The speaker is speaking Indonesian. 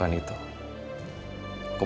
jangan lupa kak